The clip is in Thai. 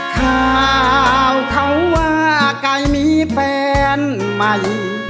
ข่าวเขาว่าไก่มีเป็นไหม